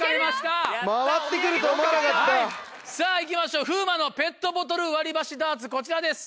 さぁ行きましょう風磨のペットボトル割り箸ダーツこちらです。